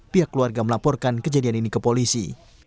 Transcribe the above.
pihak keluarga melaporkan kejadian ini ke polisi